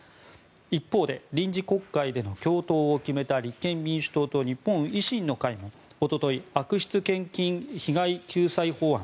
一方で、臨時国会での共闘を決めた立憲民主党と日本維新の会がおととい、悪質献金被害救済法案